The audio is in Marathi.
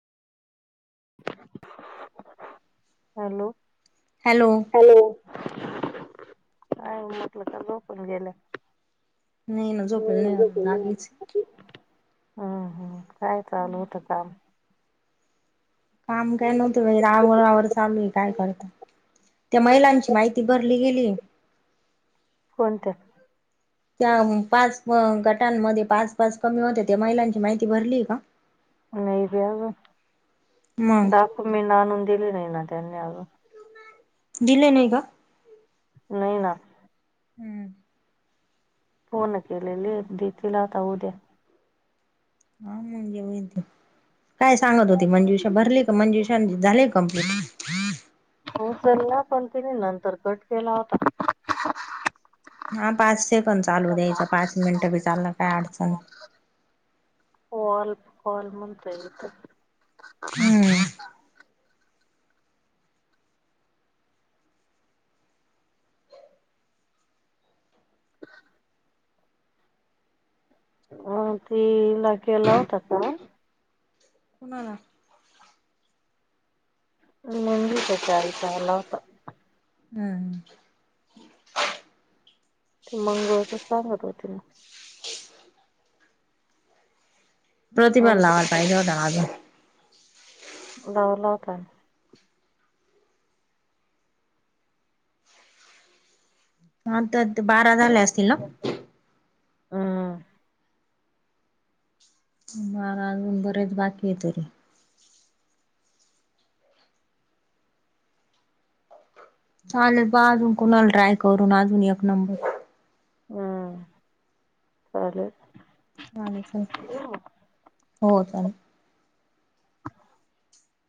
हॅलो हॅलो हॅलो नाही न झोपलेले नाही अजून जागीचय. हम्म काय चालू होत काम? काम काही नव्हत आवर आवर चालूये काय करता. त्या महिलांची माहिती भरली गेलीये. कोणत्या? त्या पाच गटांमध्ये पाच पाच कमी होत्या त्या महिलांची माहिती भरली का? नाही बाई अजुन मग डॉक्युमेंट आनुन दिले नाही ना त्यांनी अजून. दिले नाही का? नाही ना. हम्म फोन केलेले देतील आता उद्या. हां म्हणजे होईल ते. काय सांगत होती मंजुषा भरले का मंजुषाने झाले का कंप्लीट? उचलला पण तिने नंतर कट केला होता. हा पाच सेकंद चालू द्यायचा पाच मिनिट बी चालला काय अडचण नाही. ऑल कॉल म्हणतय इथ. हम्म [inaudible] तिला केला होता कॉल. कुणाला? मंजूशाच्या आईचा आला होता. हम्म ते मंजूचच सांगत होती मग. प्रतीभा ला लावायला पाहिजे होता ना अजून. लावला होता. आता बारा झाले असतील ना? हम्म बारा अजून बरेच बाकी आहे तरी. चालेल बा अजून कुणाला ट्राय करून अजून एक नंबर हम्म चालल. हो चालेल.